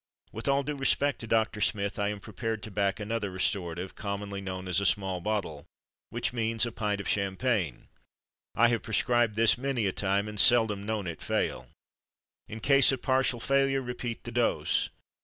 With all due respect to Doctor Smith I am prepared to back another restorative, commonly known as "a small bottle"; which means a pint of champagne. I have prescribed this many a time, and seldom known it fail. In case of partial failure repeat the dose.